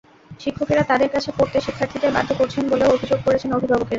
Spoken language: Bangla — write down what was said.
শিক্ষকেরা তাঁদের কাছে পড়তে শিক্ষার্থীদের বাধ্য করছেন বলেও অভিযোগ করেছেন অভিভাবকেরা।